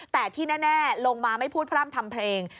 แต่ที่แน่ลงมาไม่พูดพร่ำทำเพลง